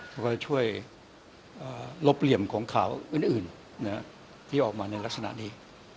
แล้วก็ช่วยลบเหลี่ยมของขาวอื่นที่ออกมาในลักษณะนี้